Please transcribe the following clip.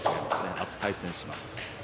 明日、対戦します。